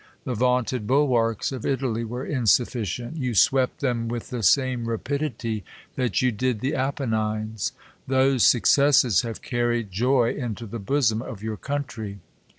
The vaunted bulwarks cf Italy were insufficient. You swept them with the same rapidity that you did the Appenines. Those suc cesses have carried joy into the bosom of your country.